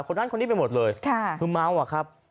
คนนั้นคนนี้ไปหมดเลยคือเมาอะครับ